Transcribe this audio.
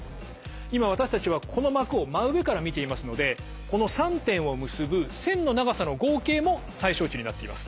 今私たちはこの膜を真上から見ていますのでこの３点を結ぶ線の長さの合計も最小値になっています。